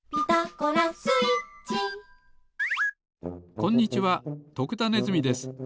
こんにちは徳田ネズミです。